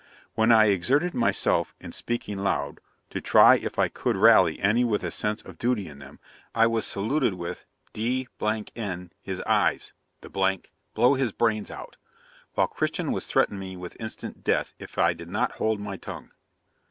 '[When I exerted myself in speaking loud, to try if I could rally any with a sense of duty in them, I was saluted with "d n his eyes, the , blow his brains out"; while Christian was threatening me with instant death, if I did not hold my tongue.